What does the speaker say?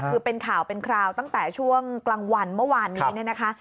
คือเป็นข่าวเป็นคราวตั้งแต่ช่วงกลางวันเมื่อวานนี้เนี่ยนะคะ